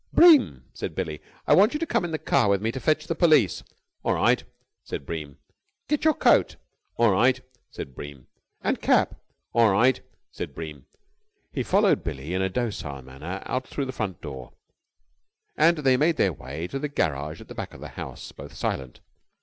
"Bream," said Billie, "I want you to come in the car with me to fetch the police." "All right," said Bream. "Get your coat." "All right," said Bream. "And cap." "All right," said Bream. He followed Billie in a docile manner out through the front door, and they made their way to the garage at the back of the house, both silent.